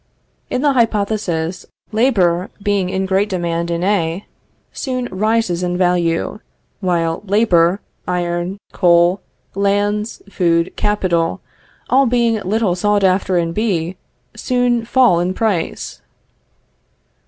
In the hypothesis, labor, being in great demand in A, soon rises in value; while labor, iron, coal, lands, food, capital, all being little sought after in B, soon fall in price.